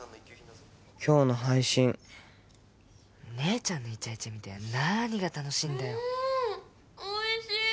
今日の配信姉ちゃんのイチャイチャ見て何が楽しいんだよおいしい！